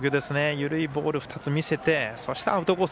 緩いボール２つ見せてそしてアウトコース